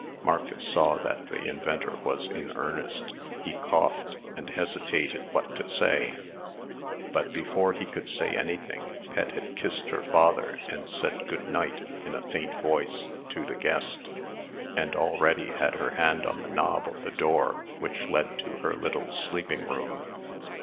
Marcus saw that the inventor was in earnest. He coughed, and hesitated what to say. But, before he could say anything, Pet had kissed her father, and said "Good night," in a faint voice, to the guest, and already had her hand on the knob of the door which led to her little sleeping room.